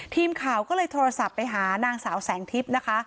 ทีมข่าวก็เลยโทรศัพท์ไปหานางสาวแสงทิพย์นะคะ